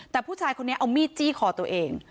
แต่ผู้ชายคนนี้เอามีดจี้คอตัวเอง